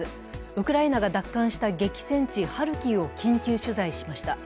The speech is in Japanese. ウクライナが奪還した激戦地ハルキウを緊急取材しました。